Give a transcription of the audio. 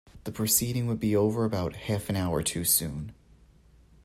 The proceeding would be over about half an hour too soon.